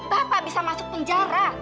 bapak bisa masuk penjara